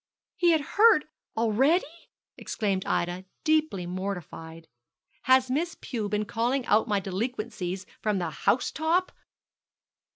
'He had heard already!' exclaimed Ida, deeply mortified. 'Has Miss Pew been calling out my delinquencies from the house top?